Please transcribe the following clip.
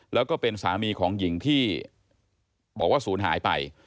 แล้วก็เป็นสามีของหญิงที่บอกว่าศูนย์หายไป